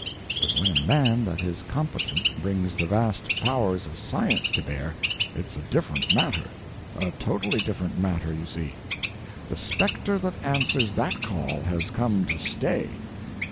But when a man that is competent brings the vast powers of science to bear, it's a different matter, a totally different matter, you see. The spectre that answers that call has come to stay.